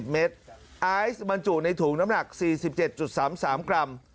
๑เมตรไอซ์บรรจุในถุงน้ำหนัก๔๗๓๓กรัม